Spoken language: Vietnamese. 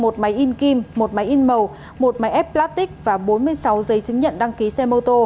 một máy in kim một máy in màu một máy ép platic và bốn mươi sáu giấy chứng nhận đăng ký xe mô tô